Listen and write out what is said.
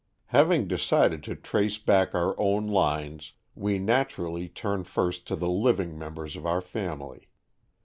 Having decided to trace back our own lines, we naturally turn first to the living members of our family.